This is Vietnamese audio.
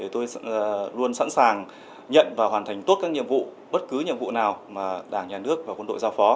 tôi luôn sẵn sàng nhận và hoàn thành tốt các nhiệm vụ bất cứ nhiệm vụ nào mà đảng nhà nước và quân đội giao phó